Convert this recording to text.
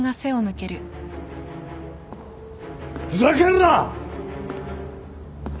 ふざけるな！